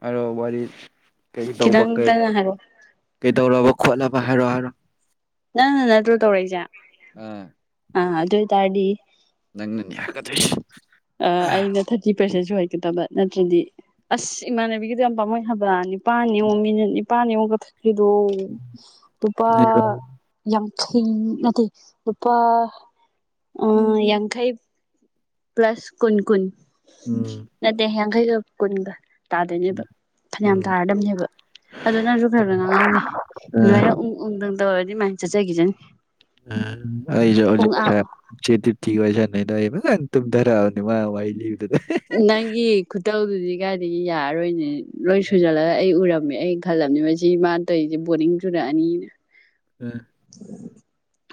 ꯍꯥꯏꯔꯣ ꯋꯥꯔꯤ ꯀꯩ ꯇꯧꯕ ꯈꯤꯇꯪ ꯀꯩ ꯀꯟꯅ ꯍꯥꯏꯔꯛꯑꯣ ꯀꯩꯗꯧꯔꯕ ꯈꯣꯠꯂꯕ ꯍꯥꯏꯔꯣꯑꯣ ꯍꯥꯏꯔꯣꯑꯣ ꯅꯪꯅ ꯅꯠꯇ꯭ꯔꯣ ꯇꯧꯔꯛꯏꯖꯦ ꯑꯥ ꯑꯥ ꯑꯗꯨ ꯑꯣꯏꯇꯥꯔꯗꯤ ꯅꯪꯅꯅꯦ ꯍꯥꯏꯒꯗꯣꯏꯁꯦ ꯑꯥ ꯑꯩ ꯊꯥꯔꯇꯤ ꯄ꯭ꯔꯁꯦꯟ ꯁꯨꯔ ꯀꯗꯕ ꯅꯠꯇ꯭ꯔꯗꯤ ꯑꯁ ꯏꯃꯥꯟꯅꯕꯤꯒꯤꯗꯣ ꯌꯥꯝ ꯄꯥꯝꯃꯨꯏ ꯍꯥꯏꯕ ꯅꯤꯄꯥꯟꯅꯤ ꯌꯦꯡꯉꯨ ꯃꯤꯅꯠ ꯅꯤꯄꯥꯟꯅꯤ ꯌꯦꯡꯉꯨ ꯀꯛꯊꯠ ꯈꯤꯗꯣ ꯂꯨꯄꯥ ꯌꯥꯡꯈꯩ ꯅꯠꯇꯦ ꯂꯨꯄꯥ ꯑ ꯌꯥꯡꯈꯩ ꯄ꯭ꯂꯁ ꯀꯨꯟ ꯀꯨꯟ ꯎꯝ ꯅꯠꯇꯦ ꯌꯥꯡꯈꯩꯒ ꯀꯨꯟꯒ ꯇꯥꯗꯣꯏꯅꯦꯕ ꯐꯅ꯭ꯌꯥꯝ ꯎꯝ ꯇꯥꯔꯗꯕꯅꯦꯕ ꯑꯗꯨ ꯅꯪꯖꯨ ꯈꯒ ꯉꯥꯡꯉꯛꯎꯅꯦ ꯑ ꯑꯗ꯭ꯋꯥꯏꯅ ꯎꯪ ꯎꯪ ꯗꯪ ꯇꯧꯔ ꯃꯥꯏ ꯆꯠꯆꯒꯤꯖꯅꯤ ꯑꯥ ꯑꯩ ꯖꯨ ꯍꯧꯖꯤꯛ ꯉꯁꯥꯏ ꯆꯦ ꯇꯤ ꯇꯤꯒ ꯋꯥꯔꯤ ꯁꯥ ꯅꯩꯗꯣ ꯑꯩ ꯐꯖꯅ ꯇꯨꯝꯗꯔꯛꯑꯕꯅꯤ ꯃꯥ ꯋꯥꯔꯤ ꯂꯤ ꯅꯪꯒꯤ ꯈꯨꯇꯧꯗꯨꯗꯤ ꯀꯥꯏꯗꯒꯤ ꯌꯥꯔꯔꯣꯏꯅꯦ ꯂꯣꯏ ꯁꯨꯖꯜꯂꯒ ꯑꯩ ꯎꯔ ꯃꯦ ꯑꯩ ꯈꯜꯂꯝꯅꯤ ꯃꯁꯤ ꯃꯥꯅ ꯇꯧꯏꯖꯦ ꯕꯣꯔꯤꯡ ꯆꯨꯔꯛꯑꯅꯤꯅ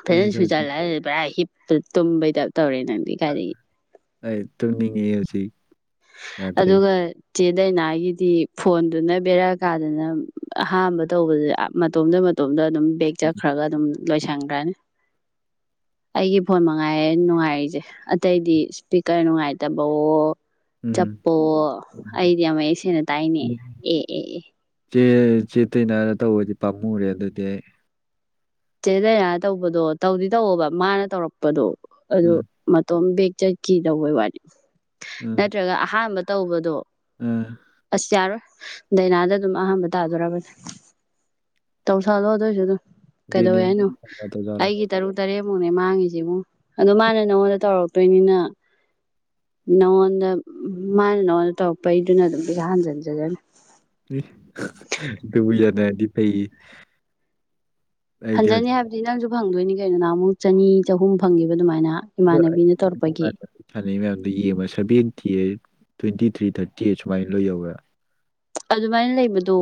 ꯐꯖꯅ ꯑꯩꯁꯨ ꯍꯧꯖꯤꯛ ꯁꯨꯖꯜꯂ ꯄꯨꯔꯥ ꯍꯤꯞ ꯇ ꯇꯨꯝꯕꯩ ꯇꯥꯏꯞ ꯇꯧꯔꯦ ꯅꯪꯗꯤ ꯀꯥꯏꯗꯒꯤ ꯑꯩ ꯇꯨꯝꯅꯤꯡꯉꯦ ꯍꯧꯖꯤꯛ ꯌꯥꯗ꯭ꯔꯦ ꯑꯗꯨꯒ ꯆꯦ ꯗꯥꯏꯅꯥꯒꯤꯗꯤ ꯐꯣꯟꯗꯨꯅ ꯕꯦꯔꯥ ꯀꯥꯗꯅ ꯑꯍꯥꯝꯕ ꯇꯧꯕꯗ ꯃꯇꯣꯝꯗ ꯃꯇꯣꯝꯗ ꯑꯗꯨꯝ ꯕꯦꯛ ꯆꯠꯈ꯭ꯔꯒ ꯑꯗꯨꯝ ꯂꯣꯏꯁꯟꯒ꯭ꯔꯅꯤ [inaudible] ꯑꯩꯒꯤ ꯐꯣꯟ ꯃꯉꯥꯏ ꯅꯨꯡꯉꯥꯏꯔꯤꯁꯦ ꯑꯇꯩꯗꯤ ꯏꯁꯄꯤꯀꯔ ꯅꯨꯡꯉꯥꯏꯇꯕꯋꯣ ꯎꯝ ꯆꯞꯄꯌꯣ ꯑꯩꯗꯤ ꯌꯥꯝ ꯃꯌꯦꯛ ꯁꯦꯡꯅ ꯇꯥꯏꯅꯦ ꯑꯦ ꯑꯦ ꯑꯦ ꯆꯦ ꯆꯦ ꯗꯥꯏꯅꯥꯗ ꯇꯧꯕꯗꯤ ꯄꯥꯝꯃꯨꯔꯦ ꯑꯗꯨꯗꯤ ꯑꯩ ꯆꯦ ꯗꯥꯏꯅꯥꯗ ꯇꯧꯕꯗꯣ ꯇꯧꯗꯤ ꯇꯧꯑꯣꯕ ꯃꯥꯅ ꯇꯧꯔꯛꯄꯗꯣ ꯑꯗꯨ ꯎꯝ ꯃꯇꯣꯝ ꯕꯦꯛ ꯆꯠꯈꯤ ꯇꯧꯕꯩ ꯋꯥꯅꯤ ꯎꯝ ꯅꯠꯇ꯭ꯔꯒ ꯑꯍꯥꯟꯕ ꯇꯧꯕꯗꯣ ꯎꯝ ꯑꯁ ꯌꯥꯔꯣꯏ ꯗꯥꯏꯅꯥꯗ ꯑꯗꯨꯝ ꯑꯍꯥꯟꯕ ꯇꯥꯗꯧꯔꯕꯅꯦ ꯇꯧꯁꯜꯂꯣ ꯑꯗꯨꯏꯁꯨ ꯑꯗꯨꯝ ꯀꯩꯗꯧꯋꯦ ꯗꯦꯅꯤꯜ ꯍꯥꯏꯅꯣ ꯇꯧꯖꯥꯠꯂꯣ ꯑꯩꯒꯤ ꯇꯔꯨꯛ ꯇꯔꯦꯠ ꯨꯃꯨꯛꯅꯦ ꯃꯥꯡꯉꯤꯁꯦ ꯏꯕꯨꯨꯡꯉꯣ ꯑꯗꯣ ꯃꯥꯅ ꯅꯪꯉꯣꯟꯗ ꯇꯧꯔꯛꯇꯣꯏꯅꯤꯅ ꯅꯉꯣꯟꯗ ꯃꯥꯅ ꯅꯉꯣꯟꯗ ꯇꯧꯔꯛꯄꯩꯗꯨꯅ ꯑꯗꯨꯝ ꯄꯩꯁꯥ ꯍꯟꯖꯤꯟꯖꯖꯅꯤ ꯑꯦ ꯑꯗꯨꯕꯨ ꯌꯥꯅꯔꯗꯤ ꯐꯩꯌꯦ ꯑꯩꯗꯤ ꯍꯧꯖꯤꯛ ꯍꯟꯖꯟꯅꯤ ꯍꯥꯏꯕꯗꯤ ꯅꯪꯁꯨ ꯐꯪꯗꯣꯏꯅꯤ ꯀꯩꯅꯣ ꯅꯍꯥꯟꯃꯨꯛ ꯆꯅꯤ ꯆꯍꯨꯝ ꯐꯪꯒꯤꯕ ꯗꯨꯃꯥꯏꯅ ꯏꯃꯥꯟꯅꯕꯤꯅ ꯇꯧꯔꯛꯄꯒꯤ ꯂꯩ ꯃꯌꯥꯝꯗꯣ ꯌꯦꯡꯕ seventy eight twenty three thirty eight ꯁꯨꯃꯥꯏꯅ ꯂꯣꯏ ꯌꯧꯔꯦ ꯑꯗꯨꯃꯥꯏꯅ ꯂꯩꯕꯗꯣ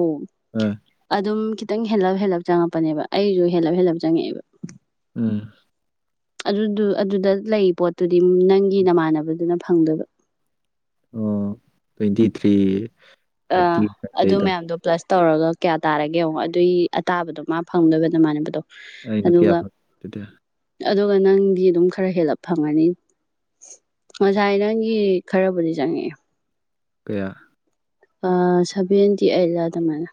ꯑꯥ ꯑꯗꯨꯝ ꯈꯤ ꯇꯪ ꯍꯦꯜꯂꯞ ꯍꯦꯜꯂꯞ ꯆꯪꯉꯛꯄꯅꯦꯕ ꯑꯩꯖꯨ ꯍꯦꯜꯂꯞ ꯍꯦꯜꯂꯞ ꯆꯪꯉꯛꯑꯦꯕ ꯎꯝ ꯑꯗꯨꯗꯨ ꯑꯗꯨꯗ ꯂꯩ ꯄꯣꯠꯇꯨꯗꯤ ꯅꯪꯒꯤ ꯅꯃꯥꯟꯅꯕꯗꯨꯅ ꯐꯪꯗꯨꯏꯕ ꯑꯣ ꯇ꯭ꯋꯦꯟꯇꯤ ꯊ꯭ꯔꯤ ꯑ ꯊꯥꯔꯇꯤ ꯑꯗꯨ ꯑꯗꯩꯗꯣ ꯃꯌꯥꯝꯗꯣ ꯄ꯭ꯂꯁ ꯇꯧꯔꯒ ꯀꯌꯥ ꯇꯥꯔꯒꯦ ꯌꯦꯡꯉꯣ ꯑꯗꯨꯏ ꯑꯇꯥꯕꯗꯣ ꯃꯥ ꯐꯪꯗꯣꯏꯕ ꯅꯃꯥꯟꯅꯕꯗꯣ ꯑꯩꯅ ꯀꯌꯥ ꯑꯗꯨꯒ ꯐꯪꯒꯗ ꯑꯗꯨꯒ ꯅꯪꯗꯤ ꯑꯗꯨꯝ ꯈꯔ ꯍꯦꯜꯂꯞ ꯐꯪꯉꯅꯤ ꯉꯁꯥꯏ ꯅꯪꯒꯤ ꯈꯔꯕꯨꯗꯤ ꯆꯪꯉꯛꯑꯦ ꯀꯌꯥ ꯂꯨꯄꯥ ꯁꯦꯚꯦꯟꯇꯤ ꯑꯩꯠꯂ ꯑꯗꯨꯃꯥꯏꯅ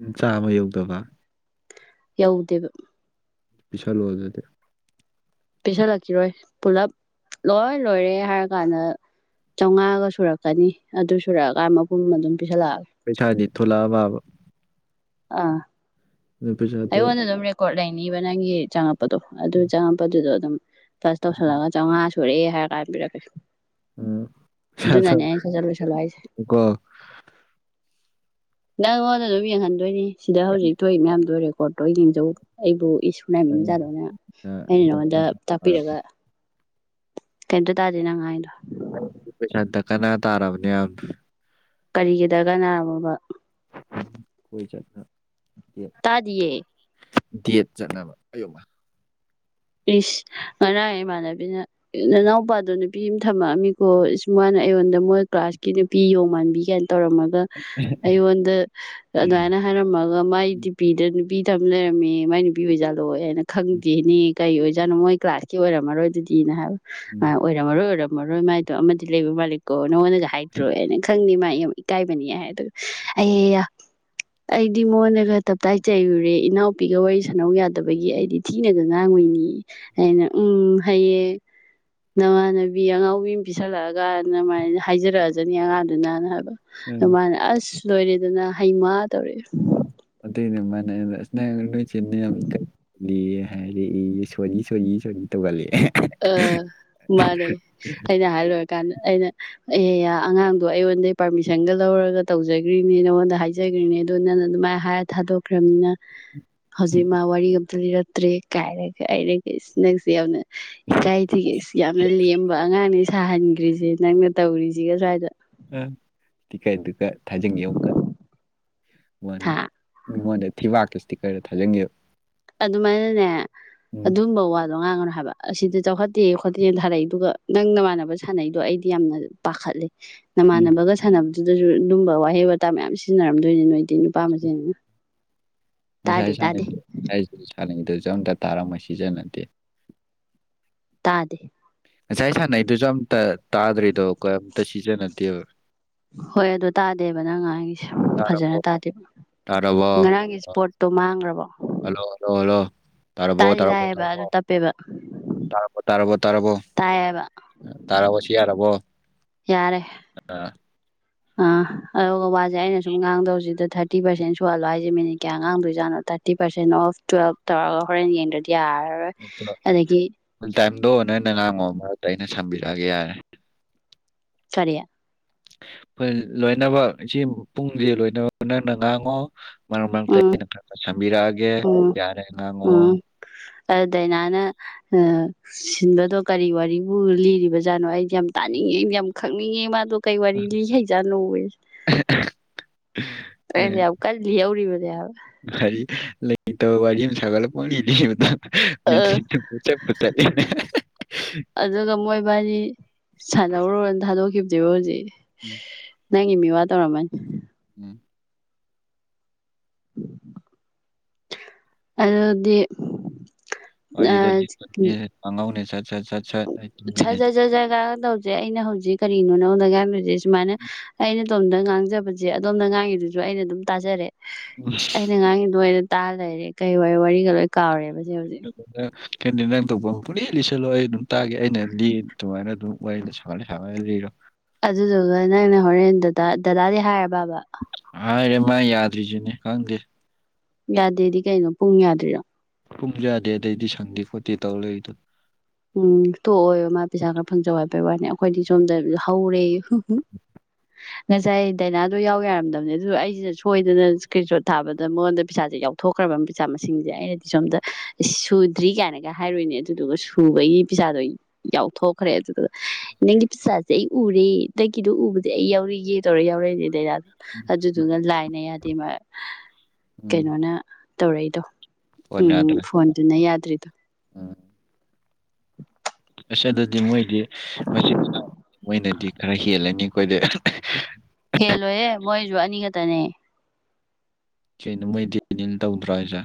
ꯑꯝ ꯆꯥꯝꯃ ꯌꯧꯗꯕ ꯌꯧꯗꯦꯕ ꯄꯤꯁꯜꯂꯣ ꯑꯗꯨꯗꯤ ꯄꯤꯁꯜꯂꯛꯈꯤꯔꯣꯏ ꯄꯨꯂꯞ ꯂꯣꯏ ꯂꯣꯏꯔꯦ ꯍꯥꯏꯔ ꯀꯥꯟꯗ ꯆꯧꯉꯥꯒ ꯁꯨꯔꯛꯀꯅꯤ ꯑꯗꯨ ꯁꯨꯔꯛꯑꯀꯥꯟ ꯃꯄꯨꯝ ꯑꯗꯨꯝ ꯄꯤꯁꯜꯂꯛꯑꯒꯦ ꯄꯩꯁꯥꯗꯤ ꯊꯣꯛꯂꯛꯑꯕꯥꯕ ꯑꯥ ꯑꯩꯉꯣꯟꯗ ꯑꯗꯨꯝ ꯔꯦꯀꯣꯔꯠ ꯂꯩꯅꯤꯕ ꯅꯪꯒꯤ ꯆꯪꯉꯛꯄꯗꯣ ꯑꯗꯨ ꯆꯪꯉꯛꯄꯗꯨꯗꯣ ꯑꯗꯨꯝ ꯄꯂꯁ ꯇꯧꯁꯜꯂꯒ ꯆꯧꯉꯥ ꯁꯨꯔꯦ ꯍꯥꯏꯔꯀꯥꯟ ꯄꯤꯔꯛꯀꯦ ꯑꯗꯨꯨꯅꯅꯦ ꯄꯩꯁꯥꯗꯣꯀꯣ ꯑꯩꯅ ꯁꯠ ꯁꯠ ꯂꯣꯏꯁꯜꯂꯣ ꯍꯥꯏꯁꯦ ꯅꯪꯉꯣꯟꯗ ꯑꯗꯨꯝ ꯌꯦꯡꯍꯟꯗꯣꯏꯅꯤ ꯁꯤꯗ ꯍꯧꯖꯤꯛ ꯊꯣꯛꯏ ꯃꯌꯥꯝꯗꯣ ꯔꯦꯀꯣꯔꯠ ꯇꯧꯔ ꯌꯦꯡꯖꯧ ꯑꯩꯕꯨ ꯏꯁ ꯍꯨꯔꯥꯟꯕꯤ ꯃꯆꯥꯗꯧꯅ ꯑꯩꯅ ꯅꯉꯣꯟꯗ ꯇꯥꯛꯄꯤꯔꯒ ꯀꯩꯝꯇ ꯇꯥꯗꯦ ꯅꯪ ꯍꯥꯏꯗꯣ ꯑꯩ ꯄꯩꯁꯥ ꯗꯥꯀꯥꯅ ꯇꯥꯔꯕꯅꯦ ꯌꯥꯝ ꯀꯔꯤꯒꯤ ꯗ꯭ꯔꯒꯅꯥꯅꯣꯕ ꯀꯣꯏ ꯆꯠꯅ ꯗꯦꯠ ꯇꯥꯗꯤꯌꯦ ꯗꯦꯠ ꯆꯠꯅꯕ ꯑꯩꯌꯣꯃꯥ ꯏꯁ ꯉꯔꯥꯡ ꯏꯃꯥꯟꯅꯕꯤꯅ ꯅꯅꯥꯎꯄꯥꯗꯣ ꯅꯨꯄꯤ ꯑꯃ ꯊꯝꯃꯛꯑꯝꯃꯤꯀꯣ ꯏꯁ ꯃꯥꯟꯅ ꯑꯩꯉꯣꯟꯗ ꯃꯣꯏ ꯀ꯭ꯂꯥꯁꯀꯤ ꯅꯨꯄꯤ ꯌꯣꯡ ꯃꯥꯟꯕꯤ ꯀꯥꯏꯅ ꯇꯧꯔꯝꯃꯒ ꯑꯩꯉꯣꯟꯗ ꯑꯗꯨꯃꯥꯏꯅ ꯍꯥꯏꯔꯝꯃꯒ ꯃꯥꯏ ꯗꯤ ꯄꯤꯗ ꯄꯤ ꯊꯝ ꯂꯩꯔꯝꯃꯦ ꯃꯥꯏ ꯅꯨꯄꯤ ꯑꯣꯏꯖꯥꯠꯂꯣꯌꯦ ꯑꯩꯅ ꯈꯪꯗꯦꯅꯦ ꯀꯩ ꯑꯣꯏꯖꯥꯠꯅꯣ ꯃꯣꯏ ꯀ꯭ꯂꯥꯁꯀꯤ ꯑꯣꯏꯔꯝꯃꯔꯣꯏ ꯗꯨꯗꯤꯅ ꯍꯥꯏꯕ ꯃꯥ ꯍꯥꯢ ꯑꯣꯏꯔꯝꯃꯔꯣꯏ ꯑꯣꯏꯔꯝ ꯃꯔꯣꯏ ꯃꯥꯏꯗꯣ ꯑꯃꯗꯤ ꯂꯩꯕ ꯃꯥꯂꯤꯛꯀꯣ ꯅꯉꯣꯟꯗ ꯍꯥꯏꯔꯛꯇ꯭ꯔꯣ ꯑꯩꯅ ꯈꯪꯗꯦ ꯃꯥꯏ ꯌꯥꯝ ꯏꯀꯥꯏꯕꯅꯤ ꯍꯥꯏ ꯑꯗꯨꯒ ꯑꯌꯥꯌꯥ ꯑꯩꯗꯤ ꯃꯉꯣꯟꯗꯒ ꯇꯞꯇꯥꯏ ꯆꯩꯩꯔꯨꯔꯦ ꯏꯅꯥꯎꯄꯤꯒ ꯋꯥꯔꯤ ꯁꯥꯟꯅꯧ ꯌꯥꯗꯕꯒꯤ ꯑꯩꯗꯤ ꯊꯤꯅꯒ ꯉꯥꯡꯉꯨꯏ ꯅꯤ ꯑꯩꯅ ꯎꯝ ꯍꯩꯌꯦ ꯅꯃꯥꯟꯅꯕꯤ ꯑꯉꯥꯎꯕꯤ ꯑꯃ ꯄꯤꯁꯜꯂꯛꯑꯒꯅ ꯃꯥꯏꯅ ꯍꯥꯏꯖꯔꯛꯑꯖꯅꯤ ꯑꯉꯥꯡꯗꯨꯅꯅ ꯍꯥꯏꯕ ꯎꯝ ꯑꯗꯨ ꯃꯥꯅ ꯑꯁ ꯂꯣꯏꯔꯦꯗꯅ ꯍꯩꯃꯥ ꯇꯧꯔꯛꯑꯦ ꯑꯗꯨꯢꯔ ꯃꯥꯅ ꯑꯩꯉꯣꯟꯗ ꯑꯁ ꯅꯣꯢ ꯆꯦꯅ ꯌꯥꯝ ꯏꯀꯥ ꯗꯦ ꯍꯥꯏꯔꯛꯑꯦꯌꯦ ꯁꯣꯔꯤ ꯁꯣꯔꯤ ꯁꯣꯔꯤ ꯇꯧꯒꯜꯂꯦ ꯑꯥ ꯃꯥꯅꯦ ꯑꯩꯅ ꯍꯥꯏ ꯂꯣꯢꯔꯀꯥꯟꯗ ꯑꯩꯅ ꯑꯦꯌꯥ ꯌꯥ ꯑꯉꯥꯡꯗꯣ ꯑꯩꯉꯣꯟꯗꯩ ꯄꯥꯔꯃꯤꯁꯟꯒ ꯂꯧꯔꯒ ꯇꯧꯖꯒ꯭ꯔꯤꯅꯦ ꯅꯉꯣꯟꯗ ꯍꯥꯏꯖꯒ꯭ꯔꯤꯅꯤ ꯑꯗꯣ ꯅꯪꯅ ꯑꯗꯨꯝ ꯃꯥꯏ ꯍꯥꯏꯔ ꯊꯥꯗꯣꯛꯈ꯭ꯔꯝꯅꯤꯅ ꯍꯧꯖꯤꯛ ꯃꯥ ꯋꯥꯔꯤ ꯑꯝꯇ ꯂꯤꯔꯛꯇ꯭ꯔꯦ ꯀꯥꯏꯔꯒ ꯑꯩꯅꯒ ꯅꯪꯁꯦ ꯌꯥꯝꯅ ꯏꯀꯥꯏꯊꯤꯒꯦ ꯌꯥꯝꯅ ꯂꯦꯝꯕ ꯑꯉꯥꯡꯅꯦ ꯁꯥꯍꯟꯈ꯭ꯔꯤꯁꯦ ꯅꯪꯅ ꯇꯧꯔꯤꯁꯤꯒ ꯁ꯭ꯋꯥꯏꯗ ꯇꯤꯀꯩꯗꯨꯒ ꯊꯥꯖꯟꯒꯦ ꯑꯃꯨꯛꯀ ꯃꯉꯣꯟꯗ ꯍꯥ ꯉꯣꯟꯗ ꯊꯤꯕꯥꯛꯀꯤ ꯁ꯭ꯇꯤꯀꯔ ꯊꯥꯖꯟꯒꯦꯕ ꯑꯗꯨꯃꯥꯏꯅꯅꯦ ꯑꯗꯨꯝꯕ ꯋꯥꯗꯣ ꯉꯥꯡꯒꯅꯣ ꯍꯥ ꯍꯥꯏꯕ ꯑꯁꯤꯗꯤ ꯆꯥꯎꯈꯠꯇꯦ ꯈꯣꯠꯇꯦꯅ ꯊꯥꯔꯛꯏ ꯑꯗꯨꯒ ꯅꯪ ꯅꯃꯥꯟꯅꯕ ꯁꯥꯟꯅꯩꯗꯣ ꯑꯩꯗꯤ ꯌꯥꯝꯅ ꯄꯥꯈꯠꯂꯤ ꯎꯝ ꯅꯃꯥꯟꯅꯕꯒ ꯁꯥꯟꯅꯕꯗꯨꯗꯁꯨ ꯑꯗꯨꯝꯕ ꯋꯥꯍꯩ ꯋꯥꯇꯥ ꯃꯌꯥꯝ ꯁꯤꯖꯤꯟꯅꯔꯝꯗꯣꯏꯅꯤ ꯅꯣꯏ ꯗꯤ ꯅꯨꯄꯥ ꯃꯁꯦꯟꯅꯤꯅ ꯉꯁꯥꯏ ꯇꯥꯗꯦ ꯇꯥꯗꯦ ꯁꯥꯟꯅꯩꯗꯣ ꯉꯁꯥꯏ ꯁꯥꯟꯅꯩꯗꯨꯁꯨ ꯑꯝꯇ ꯇꯥꯔꯝꯃ ꯁꯤꯖꯤꯟꯅꯗꯦ ꯇꯥꯗꯦ ꯉꯁꯥꯏ ꯁꯥꯟꯅꯩꯗꯨꯁꯨ ꯑꯝꯇ ꯇꯥꯗ꯭ꯔꯤꯗꯣ ꯀꯩꯝꯇ ꯁꯤꯖꯤꯟꯅꯗꯦꯕ ꯍꯣꯏ ꯑꯗꯨ ꯇꯥꯗꯦꯕ ꯅꯪ ꯉꯥꯡꯉꯤꯁꯦ ꯇꯥꯔꯕꯣ ꯐꯖꯅ ꯇꯥꯗꯦꯕ ꯇꯥꯔꯕꯣ ꯉꯔꯥꯡꯒꯤ ꯏꯁꯄꯣꯔꯠꯇꯣ ꯃꯥꯡꯈ꯭ꯔꯕꯣ ꯍꯜꯂꯣ ꯍꯜꯂꯣ ꯍꯜꯂꯣ ꯇꯥꯔꯕꯣ ꯇꯥꯗꯤ ꯇꯥꯔꯕꯣ ꯇꯥꯏꯌꯦꯕ ꯑꯗꯨ ꯇꯥꯔꯕꯣ ꯇꯞꯄꯦꯕ ꯇꯥꯔꯕꯣ ꯇꯥꯔꯕꯣ ꯇꯥꯔꯕꯣ ꯇꯥꯏꯌꯦꯕ ꯇꯥꯔꯕꯣ ꯁꯤ ꯌꯥꯔꯕꯣ ꯌꯥꯔꯦ [inaudible] ꯑꯗꯨꯒ ꯋꯥꯁꯦ ꯑꯩꯅ ꯁꯨꯝ ꯉꯥꯡꯗꯧꯁꯤꯗ ꯊꯥꯔꯇꯤ ꯄꯥꯔꯁꯦꯟ ꯁꯨꯍꯜꯂꯣ ꯍꯥꯏꯁꯦ ꯃꯤꯅꯤꯠ ꯀꯌꯥ ꯉꯥꯡꯗꯣꯏꯖꯥꯠꯅꯣ ꯊꯥꯔꯇꯤ ꯄꯔꯁꯦꯟ ꯀꯩꯅꯣ ꯇꯨꯋꯦꯜꯞ ꯇꯧꯔꯒ ꯍꯣꯔꯦꯟ ꯌꯦꯡꯗ꯭ꯔꯗꯤ ꯌꯥꯔꯔꯣꯏ ꯑꯗꯒꯤ ꯗꯣ ꯅꯪꯅ ꯉꯥꯡꯉꯣ ꯃꯔꯛꯇ ꯑꯩꯅ ꯁꯝꯕꯤꯔꯛꯑꯒꯦ ꯌꯥꯔꯦ ꯀꯔꯤ ꯑꯈꯣꯏ ꯂꯣꯏꯅꯕ ꯏꯆꯦ ꯄꯨꯡꯁꯦ ꯂꯣꯏꯅꯕ ꯅꯪꯅ ꯉꯥꯡꯉꯣ ꯃꯔꯛ ꯃꯔꯛꯇ ꯎꯝ ꯑꯩꯅ ꯈꯔ ꯈꯔ ꯁꯝꯕꯤꯔꯛꯑꯒꯦ ꯎꯝ ꯌꯥꯔꯦ ꯉꯥꯡꯉꯣ ꯎꯝ ꯗꯥꯏꯅꯥꯅ ꯁꯤꯟꯕꯗꯣ ꯀꯔꯤ ꯋꯥꯔꯤꯕꯨ ꯂꯤꯔꯤꯕꯖꯥꯠꯅꯣ ꯑꯩ ꯌꯥꯝ ꯇꯥꯅꯤꯡꯉꯦ ꯑꯩꯗꯤ ꯌꯥꯝ ꯈꯪꯅꯤꯡꯉꯦ ꯃꯥꯗꯣ ꯀꯩ ꯋꯥꯔꯤ ꯂꯤꯍꯩꯖꯥꯠꯅꯣꯋꯦ ꯑꯩꯅ ꯌꯥꯝ ꯀꯟꯅ ꯂꯤꯍꯧꯔꯤꯕ ꯀꯔꯤ ꯂꯩꯇꯕ ꯋꯥꯔꯤ ꯑꯃ ꯁꯥꯒꯠꯂ ꯄꯨꯡꯂꯤ ꯂꯤꯕꯗꯨ [unintelligible] ꯆꯠꯄꯨ ꯆꯠꯂꯤꯅꯦ ꯑꯗꯨꯒ ꯃꯣꯏꯕꯥꯅꯤ ꯁꯥꯟꯅꯧꯔꯣꯅ ꯊꯥꯗꯣꯛꯈꯤꯕꯅꯦꯕ ꯍꯧꯖꯤꯛ [inaudible] ꯅꯪꯒꯤ ꯃꯤ ꯋꯥ ꯇꯧꯔꯝꯃꯅꯤ [inaudible] ꯑꯗꯨꯗꯤ ꯋꯥꯔꯤꯗꯣ ꯂꯤ [unintelligible] ꯁꯠ ꯁꯠ ꯁꯠ ꯁꯠ ꯑꯩ ꯁꯠ ꯇꯨꯝꯅꯤꯡꯉꯦ ꯁꯠ ꯁꯠ ꯁꯠ ꯉꯥꯡ ꯇꯧꯁꯦ ꯑꯩꯅ ꯍꯧꯖꯤꯛ ꯀꯔꯤꯅꯣ ꯅꯉꯣꯟꯗ ꯉꯥꯡꯗꯣꯏꯁꯦ ꯁꯨꯃꯥꯏꯅ ꯑꯩꯅ ꯑꯗꯣꯝꯗ ꯉꯥꯡꯖꯕꯁꯦ ꯑꯗꯣꯝꯗ ꯉꯥꯡꯉꯤꯗꯨꯁꯨ ꯑꯩꯅ ꯑꯗꯨꯝ ꯇꯥꯖꯔꯦ ꯑꯩꯅ ꯉꯥꯡꯉꯤꯗꯣ ꯇꯥ ꯂꯩꯔꯦ ꯀꯩ ꯋꯥꯔꯤꯒ ꯂꯣꯏ ꯀꯥꯎꯔꯦꯕ ꯑꯗꯨꯗꯨꯒ ꯀꯩꯅꯣ ꯅꯪ ꯊꯣꯛꯄꯃ ꯄꯨꯂꯤ ꯂꯤꯁꯜꯂꯣ ꯑꯩ ꯑꯗꯨꯝ ꯇꯥꯒꯦ ꯑꯩꯅ ꯂꯤꯗꯨ ꯑꯗꯨꯃꯥꯏꯅ ꯑꯗꯨꯝ ꯋꯥꯔꯤꯗꯣ ꯁꯥꯒꯠ ꯁꯥꯒꯠꯂ ꯂꯤꯔꯣ ꯑꯗꯨꯗꯨꯒ ꯅꯪꯅ ꯍꯣꯔꯦꯟ ꯗꯗꯥ ꯗꯗꯥꯗꯤ ꯍꯥꯏꯔꯕꯕ ꯍꯥꯏꯔꯦ ꯃꯥ ꯌꯥꯗ꯭ꯔꯤꯖꯤꯅꯤ ꯈꯪꯗꯦ ꯌꯥꯗꯦꯗꯤ ꯀꯩꯅꯣ ꯄꯨꯡ ꯌꯥꯗ꯭ꯔꯤꯔꯣ ꯄꯨꯡ ꯌꯥꯗꯦ ꯑꯗꯩꯗꯤ ꯁꯪꯗꯦ ꯈꯣꯠꯇꯦ ꯇꯧ ꯂꯩꯗꯣ ꯎꯝ ꯇꯣꯛꯑꯣꯎ ꯃꯥ ꯄꯩꯁꯥ ꯈꯔ ꯐꯪꯖꯧ ꯍꯥꯏꯕꯩ ꯋꯥꯅꯤ ꯑꯈꯣꯏꯗꯤ ꯁꯣꯝꯗ ꯍꯧꯔꯦꯌꯨ [inaudible] ꯉꯁꯥꯏ ꯗꯥꯏꯅꯥꯗꯣ ꯌꯥꯎ ꯌꯥꯔꯝꯗꯕꯅꯦ ꯑꯗꯨꯗꯣ ꯑꯩꯖꯤꯅ ꯁꯣꯏꯗꯅ ꯏꯁꯀ꯭ꯔꯤꯟꯁꯣꯠ ꯊꯥꯕꯗ ꯃꯉꯣꯟꯗ ꯄꯩꯁꯥꯖꯦ ꯌꯥꯎꯊꯣꯛꯈ꯭ꯔ ꯕ ꯄꯩꯁꯥ ꯃꯁꯤꯡꯖꯦ ꯑꯩꯅꯗꯤ ꯁꯣꯝꯗ ꯁꯨꯗ꯭ꯔꯤ ꯀꯥꯏꯅꯒ ꯍꯥꯏꯔꯨꯏꯅꯦ ꯑꯗꯨꯗꯨꯒ ꯁꯨꯕꯒꯤ ꯄꯩꯁꯥꯗꯣ ꯌꯥꯎꯊꯣꯛꯈ꯭ꯔꯦ ꯑꯗꯨꯗꯣ ꯅꯪꯒꯤ ꯄꯤꯁꯥꯖꯦ ꯑꯩ ꯎꯔꯦ ꯅꯪꯒꯤꯗꯣ ꯎ ꯗꯤ ꯑꯩ ꯌꯥꯎꯔꯤ [unintelligible] ꯇꯧꯔ ꯌꯥꯎꯔꯛꯏꯅꯦ ꯗꯥꯏꯅꯥꯗꯣ ꯑꯗꯨꯗꯨꯒ ꯂꯥꯏꯅ ꯌꯥꯗꯦ ꯃꯥ ꯀꯩꯅꯣꯅ ꯇꯧꯔꯛꯏꯗꯣ ꯐꯣꯟ ꯎꯝ ꯌꯥꯗ꯭ꯔꯦ ꯐꯣꯟꯗꯨꯅ ꯌꯥꯗ꯭ꯔꯤꯗꯣ ꯎꯝ ꯑꯁ ꯑꯗꯨꯗꯤ ꯃꯣꯏꯗꯤ ꯃꯆꯤꯟ ꯃꯅꯥꯎ ꯃꯣꯏꯅꯗꯤ ꯈꯔ ꯍꯦꯜꯂꯅꯤ ꯑꯩꯈꯣꯏꯗꯩ ꯍꯦꯜꯂꯣꯏꯍꯦ ꯃꯣꯏꯖꯨ ꯑꯅꯤ ꯈꯇꯅꯦ ꯀꯩꯅꯣ ꯃꯣꯏ ꯗꯦꯅꯦꯜ ꯇꯧꯗ꯭ꯔꯣ ꯍꯥꯏꯖꯦ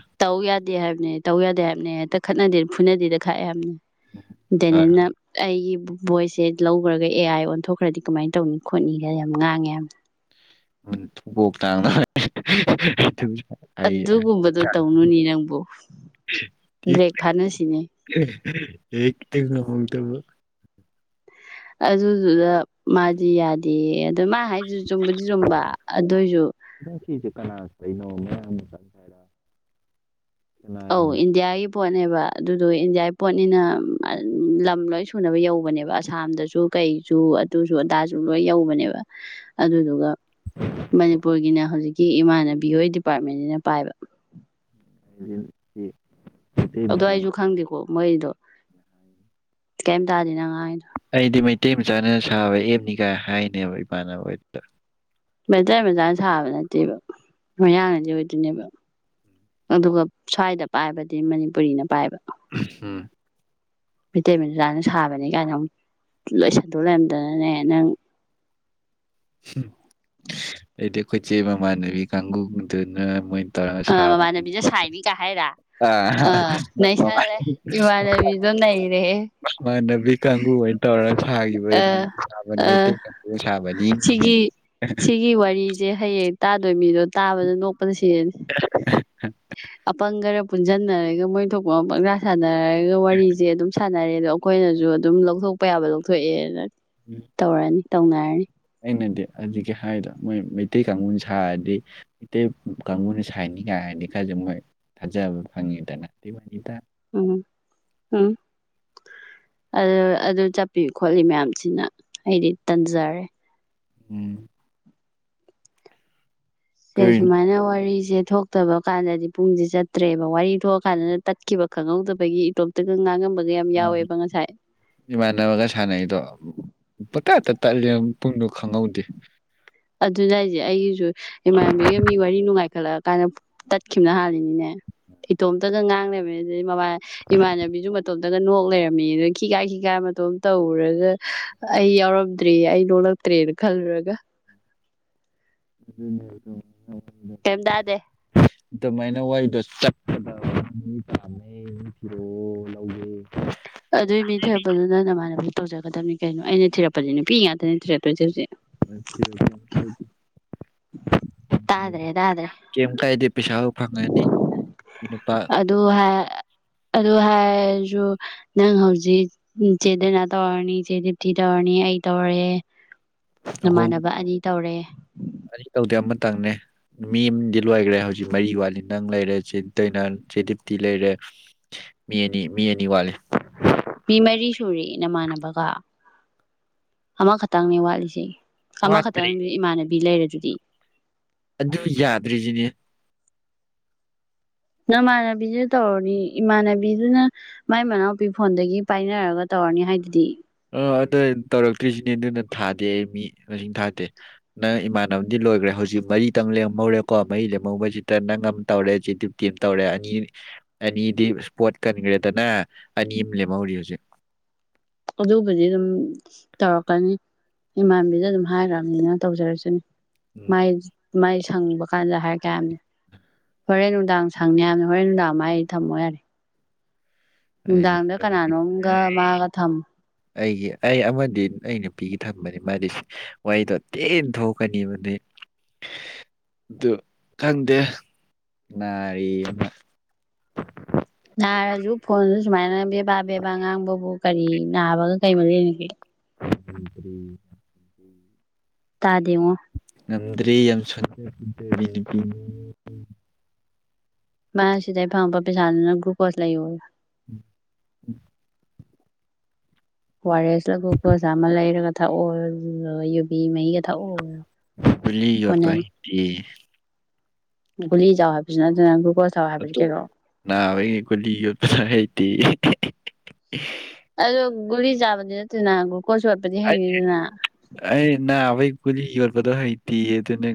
ꯗꯦ ꯍꯥꯏꯕꯅꯦ ꯇꯧ ꯌꯥꯗꯦ ꯍꯥꯏꯕꯅꯦ ꯍꯦꯇ ꯈꯠꯅꯗꯦ ꯐꯨꯅꯗꯦꯗ ꯈꯥꯛꯑꯦ ꯍꯥꯏꯕꯅꯤ ꯗꯦꯅꯦꯟꯅ ꯑꯩꯒꯤ ꯚꯣꯏꯁꯦ ꯂꯧꯒ꯭ꯔꯒ ꯑꯦ ꯑꯥꯏ ꯑꯣꯟꯊꯣꯛꯈ꯭ꯔꯗꯤ ꯀꯃꯥꯏ ꯇꯧꯅꯤ ꯈꯣꯠꯅꯤꯒ ꯌꯥꯝ ꯉꯥꯡꯉꯦ ꯍꯥꯏ ꯎꯟ ꯊꯨꯒꯣꯛꯇꯥꯡꯗꯣ ꯑꯩ ꯑꯗꯨꯒꯨꯝꯕꯗꯣ ꯇꯧꯅꯨꯅꯤ ꯅꯪꯕꯨ ꯕ꯭ꯔꯦꯛ ꯐꯥꯅꯁꯤꯅꯦ ꯑꯦ ꯇꯩ ꯉꯝꯍꯧꯗꯕ ꯑꯗꯨꯗꯨꯗ ꯃꯥꯗꯤ ꯌꯥꯗꯦꯌꯦ ꯃꯥ ꯍꯥꯏꯗꯨꯖꯨ ꯆꯨꯝꯕꯗꯤ ꯆꯨꯝꯕ ꯑꯗꯨꯏꯖꯨ ꯀꯅꯥꯅ [unintelligible] ꯑꯧ ꯏꯟꯗꯤꯌꯥꯒꯤ ꯄꯣꯠꯅꯦꯕꯥ ꯑꯗꯨꯗꯣ ꯏꯟꯗꯤꯌꯥ ꯄꯣꯠꯅꯤꯅꯥ ꯑ ꯂꯝ ꯂꯣꯏ ꯁꯨꯅꯕ ꯌꯧꯕꯅꯦꯕꯥ ꯑꯁꯥꯝꯗꯁꯨ ꯀꯩꯖꯨ ꯑꯗꯨꯖꯨ ꯑꯗꯥꯖꯨ ꯂꯣꯏ ꯌꯧꯕꯅꯦꯕꯥ ꯑꯗꯨꯗꯨꯒ ꯃꯅꯤꯄꯨꯔꯒꯤꯅ ꯍꯧꯖꯤꯛꯀꯤ ꯏꯃꯥꯟꯅꯕꯤ ꯍꯣꯏ ꯗꯤꯄꯥꯔꯠꯃꯦꯟꯖꯤꯅ ꯄꯥꯏꯕ [unintelligible] ꯑꯗꯣ ꯃꯆꯥꯅ ꯑꯩꯖꯨ ꯈꯪꯗꯦꯀꯣ ꯃꯣꯏꯗꯣ ꯀꯩꯝ ꯇꯥꯗꯦ ꯅꯪ ꯉꯥꯡꯉꯤꯗꯣ ꯑꯩꯗꯤ ꯃꯩꯇꯩ ꯃꯆꯥꯅ ꯁꯥꯕ ꯑꯦꯞꯅꯤꯒꯥꯏ ꯍꯥꯏꯅꯦꯕ ꯏꯃꯥꯟꯅꯕ ꯍꯣꯏꯗ ꯃꯩꯇꯩ ꯃꯆꯥꯅ ꯁꯥꯕ ꯅꯠꯇꯦꯕ ꯃꯩꯌꯥꯡꯅꯗꯤ ꯑꯣꯏꯗꯣꯏꯅꯦꯕꯥ ꯑꯗꯨꯒ ꯁ꯭ꯋꯥꯏꯗ ꯄꯥꯏꯕꯗꯤ ꯃꯅꯤꯄꯨꯔꯤꯅ ꯄꯥꯏꯕ ꯎꯝ ꯃꯤꯇꯩꯃꯆꯥꯅ ꯁꯥꯕꯅꯤ ꯀꯥꯏꯅ ꯑꯃꯨꯛ ꯂꯣꯏ ꯁꯟꯗꯣꯛ ꯂꯩꯔꯝꯗꯅꯅꯦ ꯅꯪ ꯍꯨꯝ ꯗꯤ ꯑꯩꯈꯣꯏ ꯏꯆꯦ ꯃꯃꯥꯟꯅꯕꯤ ꯀꯥꯡꯒꯨꯗꯨꯅ ꯃꯣꯏꯅ ꯇꯧꯔꯒ ꯑ ꯁꯥꯕꯅꯤ ꯃꯃꯥꯟꯅꯕꯤꯗ ꯁꯥꯏꯅꯤ ꯈꯣꯠꯄꯅꯤ ꯀꯥ ꯍꯥꯏꯔꯥ ꯑꯥ ꯅꯩꯁꯜꯂꯦ ꯏꯃꯥꯟꯅꯕꯤꯗꯣ ꯅꯩꯔꯦꯍꯦ ꯑ [unintelligible] ꯅꯕꯤ ꯀꯥꯡꯒꯨ ꯍꯣꯏꯅ ꯇꯧꯔ ꯁꯥꯒꯤꯕ ꯑꯥ ꯁꯥꯕꯅꯤ ꯑꯥ ꯃꯩꯇꯩ ꯀꯥꯡꯒꯨ ꯁꯥꯕꯅꯤ ꯁꯤꯒꯤ ꯁꯤꯒꯤ ꯋꯥꯔꯤꯖꯦ ꯍꯌꯦꯡ ꯇꯥꯗꯣꯏ ꯃꯤꯗꯣ ꯇꯥꯕꯗ ꯅꯣꯛꯄꯅ ꯁꯤꯔꯅꯤ ꯑꯄꯪ ꯈꯔ ꯄꯨꯟꯖꯟꯅꯔꯒ ꯃꯣꯏ ꯊꯣꯛꯄ ꯃ ꯄꯪꯁꯥ ꯁꯥꯟꯅꯔꯒ ꯋꯥꯔꯤꯖꯦ ꯑꯗꯨꯝ ꯁꯥꯟꯅꯔꯦ ꯑꯗꯣ ꯑꯈꯣꯏꯅꯖꯨ ꯑꯗꯨꯝ ꯂꯧꯊꯣꯛꯄ ꯌꯥꯕ ꯂꯧꯊꯣꯛꯑꯦꯅ ꯇꯧꯔꯅꯤ ꯇꯧꯅꯔꯅꯤ ꯅꯪꯅꯗꯤ ꯍꯧꯖꯤꯛꯀꯤ ꯍꯥꯏꯔꯤꯗꯣ ꯃꯣꯏ ꯃꯩꯇꯩ ꯀꯥꯡꯒꯨꯅ ꯁꯥꯔꯗꯤ ꯃꯩꯇꯩ ꯀꯥꯡꯉꯨꯅ ꯁꯥꯥꯏꯅꯤꯀꯥꯏ ꯗꯤ ꯈꯖꯨ ꯃꯣꯏ ꯊꯥꯖꯕ ꯐꯪꯉꯤꯗꯅ ꯑꯗꯨꯏꯋꯥꯅꯤꯗꯥ ꯎꯝ ꯎꯝ ꯑꯗꯨ ꯑꯗꯨ ꯆꯠꯄꯤ ꯈꯣꯠꯂꯤ ꯃꯌꯥꯝꯖꯤꯅ ꯑꯩꯗꯤ ꯇꯟꯖꯔꯦ ꯎꯝ ꯁꯦ ꯀꯩꯅꯣ ꯁꯨꯃꯥꯏꯅ ꯋꯥꯔꯤꯖꯦ ꯊꯣꯛꯇꯕ ꯀꯥꯟꯗꯗꯤ ꯄꯨꯡꯁꯤ ꯆꯠꯇ꯭ꯔꯦꯕ ꯋꯥꯔꯤ ꯊꯣꯛꯑ ꯀꯥꯟꯗꯅ ꯇꯠꯈꯤꯕ ꯈꯪꯍꯧꯗꯕꯒꯤ ꯏꯇꯣꯞꯇꯒ ꯉꯥꯡꯉꯝꯕ ꯏꯃꯥꯟꯅꯕꯒ ꯁꯥꯟꯅꯩꯗꯣ ꯄꯇꯠꯇ ꯇꯠꯂꯦ ꯄꯨꯡꯗꯣ ꯈꯪꯍꯧꯗꯦ ꯑꯗꯨꯅꯦ ꯍꯥꯢꯖꯦ ꯑꯩꯒꯤꯁꯨ ꯏꯃꯥꯟꯅꯕꯤꯒ ꯃꯤ ꯋꯥꯔꯤ ꯅꯨꯡꯉꯥꯏ ꯈꯠꯂꯛꯑ ꯀꯥꯟꯗ ꯇꯠꯈꯤꯕꯅ ꯍꯥꯜꯂꯤꯅꯤꯅꯦ ꯏꯇꯣꯝꯇꯒ ꯉꯥꯡꯂꯩꯔꯝꯃꯦ ꯑꯗꯨꯗꯩ ꯃꯃꯥ ꯏꯃꯥꯟꯅꯕꯤꯁꯨ ꯃꯇꯣꯝꯇꯒ ꯅꯣꯛ ꯂꯩꯔꯝꯃꯦ ꯑꯗꯨꯒ ꯈꯤꯈꯥ ꯈꯤꯈꯥꯒ ꯃꯇꯣꯝ ꯇꯧꯔꯒ ꯑꯩ ꯌꯥꯎꯔꯝꯗ꯭ꯔꯦ ꯑꯩ ꯅꯣꯛꯂꯛꯇ꯭ꯔꯦꯅ ꯈꯜꯂꯨꯔꯒ ꯑꯗꯨꯅꯦ ꯑꯗꯨꯝ ꯀꯦꯝ ꯇꯥꯗꯦ ꯑꯗꯨꯃꯥꯏꯅ ꯋꯥꯔꯤꯗꯣ ꯆꯠꯀꯗꯕ ꯃꯤ ꯄꯥꯝꯃꯦ ꯃꯤ ꯊꯤꯔꯣ ꯂꯧꯒꯦ ꯑꯗꯨꯏ ꯃꯤ ꯊꯤꯔꯛꯄꯗꯨ ꯅꯪ ꯅꯃꯥꯟꯅꯕꯤ ꯇꯧꯖꯒꯗꯕꯅꯤ ꯀꯩꯅꯣ ꯑꯩꯅ ꯊꯤꯔꯛꯄꯁꯦ ꯅꯨꯄꯤ ꯉꯥꯛꯇꯅꯦ ꯊꯤꯔꯛꯇꯣꯏꯁꯦ ꯍꯧꯖꯤꯛ [unintelligible] ꯇꯥꯗ꯭ꯔꯦ ꯇꯥꯗ꯭ꯔꯦ ꯀꯩꯝ ꯀꯥꯏꯗꯦ ꯄꯩꯁꯥ ꯐꯪꯉꯅꯤ ꯅꯨꯄꯥ ꯑꯥ ꯑꯗꯨ ꯍꯥꯏꯔꯁꯨ ꯅꯪ ꯍꯧꯖꯤꯛ ꯆꯦꯗꯩꯅ ꯇꯧꯔꯅꯤ ꯆꯦ ꯗꯤꯞꯇꯤ ꯇꯧꯔꯅꯤ ꯑꯩ ꯇꯧꯔꯦ ꯑꯍꯨꯝ ꯅꯃꯥꯟꯅꯕ ꯑꯅꯤ ꯇꯧꯔꯦ ꯇꯪꯅꯦ ꯃꯤ ꯑꯃꯗꯤ ꯂꯣꯏꯈ꯭ꯔꯦ ꯍꯧꯖꯤꯛ ꯃꯔꯤ ꯋꯥꯠꯂꯤ ꯅꯪ ꯂꯩꯔꯦ ꯆꯦ ꯗꯥꯏꯅꯥ ꯆꯦ ꯗꯤꯞꯇꯤ ꯂꯩꯔꯦ ꯃꯤ ꯑꯅꯤ ꯃꯤ ꯑꯅꯤ ꯋꯥꯂꯤ ꯃꯤ ꯃꯔꯤ ꯁꯨꯔꯦ ꯅꯃꯥꯟꯅꯕꯒ ꯑꯃꯈꯛꯇꯪꯅꯦ ꯋꯥꯠꯂꯤꯁꯦ ꯋꯥꯠꯇ꯭ꯔꯤ ꯑꯃꯈꯛꯇꯪꯗꯨꯗꯤ ꯏꯃꯥꯟꯅꯕꯤ ꯂꯩꯔꯗꯨꯗꯤ ꯑꯗꯨ ꯌꯥꯗ꯭ꯔꯤꯖꯤꯅꯦ ꯅꯃꯥꯟꯅꯕꯤꯗ ꯇꯧꯔꯅꯤ ꯏꯃꯥꯟꯅꯕꯤꯗꯨꯅ ꯃꯥꯏ ꯃꯅꯥꯎꯄꯤ ꯐꯣꯟꯗꯒꯤ ꯄꯥꯏꯅꯔꯒ ꯇꯧ ꯇꯧꯔꯅꯤ ꯍꯥꯏꯗꯨꯗꯤ ꯑꯣ ꯑꯗꯣ ꯇꯧꯔꯛꯇ꯭ꯔꯤꯁꯤꯅꯦ ꯑꯗꯨꯅ ꯊꯥꯗꯦ ꯃꯤ ꯃꯁꯤꯡ ꯊꯥꯗꯦ ꯅꯪ ꯏꯃꯥꯟꯅꯕꯗꯤ ꯂꯣꯏꯈ꯭ꯔꯦ ꯍ ꯍꯧꯖꯤꯛ ꯃꯔꯤꯇꯪ ꯂꯦꯝꯍꯧꯔꯦꯀꯣ ꯃꯔꯤ ꯂꯦꯝꯍꯧꯕꯁꯤꯗ ꯅꯪ ꯑꯃ ꯇꯧꯔꯦ ꯆꯦ ꯗꯤꯞꯇꯤ ꯑꯃ ꯇꯧꯔꯦ ꯑꯅꯤ ꯑꯅꯤꯗꯤ ꯏꯁꯄꯣꯠ ꯀꯟꯈ꯭ꯔꯦꯗꯅ ꯑꯅꯤ ꯑꯃ ꯂꯦꯝꯍꯧꯔꯤ ꯍꯧꯖꯤꯛ ꯑꯗꯨꯕꯨꯗꯤ ꯑꯗꯨꯝ ꯇꯧꯔꯛꯀꯅꯤ ꯏꯃꯥꯟꯕꯤꯗ ꯑꯗꯨꯝ ꯍꯥꯏꯈ꯭ꯔꯕꯅꯤꯅ ꯇꯧꯖꯔꯛꯆꯅꯤ ꯎꯝ ꯃꯥꯏ ꯃꯥꯏ ꯁꯪꯕ ꯀꯥꯟꯗ ꯍꯥꯏꯔꯛꯀꯦ ꯍꯥꯏꯕꯅꯤ ꯍꯣꯔꯦꯟ ꯅꯨꯡꯗꯥꯡ ꯁꯪꯅꯤ ꯍꯥꯏꯕꯅꯦ ꯍꯣꯔꯦꯟ ꯅꯨꯡꯗꯥꯡ ꯃꯥꯢ ꯊꯝꯃꯣ ꯌꯥꯔꯦ ꯅꯨꯡꯗꯥꯡꯗ ꯀꯅꯥꯅꯣꯝꯒ ꯃꯥꯒ [unintelligible] ꯊꯝꯃꯣ ꯑꯩꯒꯤ ꯑꯩ ꯑꯃꯗꯤ ꯅꯣꯏꯅ ꯅꯨꯄꯤꯒꯤ ꯊꯝꯕꯅꯤ ꯃꯥꯗꯤꯁ ꯋꯥꯔꯤꯗꯣ ꯊꯤꯅ ꯊꯣꯛꯀꯅꯤꯕ ꯅ ꯑꯗꯨ ꯈꯪꯗꯦ ꯅꯥꯔꯤꯅ [inaudible] ꯅꯥꯔꯁꯨ ꯐꯣꯟꯁꯨ ꯁꯨꯃꯥꯏꯅ ꯕꯦꯕꯥ ꯕꯦꯕꯥ ꯉꯥꯡꯕꯕꯨ ꯀꯔꯤ ꯅꯥꯕꯒ ꯀꯩ ꯃꯔꯤ ꯂꯩꯅꯒꯦ [inaudible] ꯇꯥꯗꯦꯉꯣ ꯉꯝꯗ꯭ꯔꯦ ꯌꯥꯝ ꯁꯣꯟꯗꯕꯤ ꯇꯧꯔꯦ [unintelligible] ꯃꯥ ꯁꯤꯗꯩ ꯐꯪꯉꯛꯄ ꯄꯩꯁꯥꯗꯨꯅ ꯒ꯭ꯂꯨꯀꯣꯁ ꯂꯩꯑꯣꯌꯣ [inaudible] ꯑꯣ ꯑꯥꯔ ꯑꯦꯁ ꯂ ꯒꯨꯀꯣꯁꯂ ꯑꯃ ꯂꯩꯔꯒ ꯊꯛꯎ ꯑꯗꯨꯒ ꯌꯨꯕꯤ ꯃꯍꯤꯒ ꯊꯛꯑꯣꯌꯣ ꯒꯨꯜꯂꯤ ꯌꯣꯠꯄ ꯀꯣꯟꯅꯅꯤ ꯍꯛꯇꯦꯌꯦ ꯒꯨꯂꯤ ꯆꯥꯎ ꯍꯥꯏꯕꯁꯨ ꯅꯠꯇꯅ ꯒ꯭ꯂꯨꯀꯣꯁ ꯊꯥꯎ ꯍꯥꯏꯕꯗꯤ ꯑꯗꯨ ꯀꯩꯅꯣ ꯅꯥꯕꯩ ꯒꯨꯂꯤ ꯌꯣꯠꯄꯁꯨ ꯍꯩꯇꯦꯌꯦ ꯑꯗꯣ ꯒꯨꯂꯤ ꯆꯥꯕꯗꯤ ꯅꯠꯇꯦꯅ ꯒ꯭ꯂꯨ ꯑꯩꯅꯩ ꯑꯩꯅ ꯅꯥꯕꯩ ꯒꯨꯂꯤ ꯌꯣꯠꯄꯗꯣ ꯍꯩꯇꯦꯌꯦ ꯑꯗꯨ ꯅ